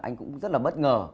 anh cũng rất là bất ngờ